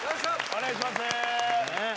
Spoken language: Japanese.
お願いします